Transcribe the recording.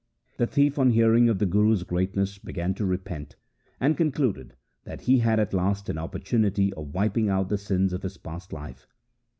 The thief on hearing of the Guru's greatness began to repent, and con cluded that he had at last an opportunity of wiping out the sins of his past life.